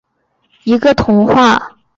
贤治的少数生前发表的一个童话。